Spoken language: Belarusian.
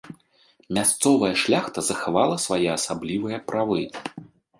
Мясцовая шляхта захавала свае асаблівыя правы.